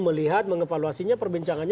melihat mengevaluasinya perbincangannya